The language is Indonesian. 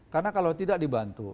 karena kalau tidak dibantu